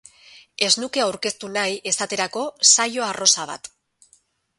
Ez nuke aurkeztu nahi, esaterako, saio arrosa bat.